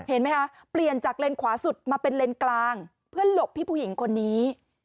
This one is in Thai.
เห็นไหมคะเปลี่ยนจากเลนขวาสุดมาเป็นเลนกลางเพื่อหลบพี่ผู้หญิงคนนี้